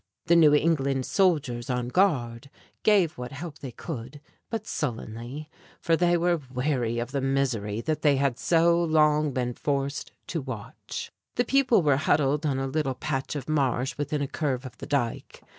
The New England soldiers on guard gave what help they could, but sullenly; for they were weary of the misery that they had so long been forced to watch. The people were huddled on a little patch of marsh within a curve of the dike.